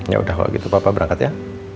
ya udah kok gitu papa berangkat ya